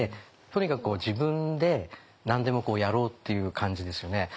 とにかく自分で何でもやろうっていう感じですよね。